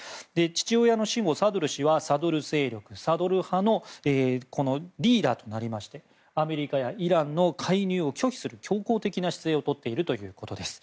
父親の死後、サドル師はサドル勢力、サドル派のリーダーとなりましてアメリカやイランの介入を拒否する強硬的な姿勢をとっているということです。